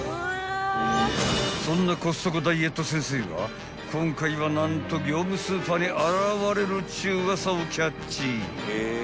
［そんなコストコダイエット先生が今回は何と業務スーパーに現れるっちゅうウワサをキャッチ］